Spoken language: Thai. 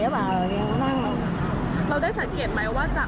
เราได้สังเกตมาว่า